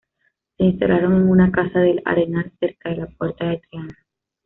Se instalaron en una casa del Arenal, cerca de la puerta de Triana.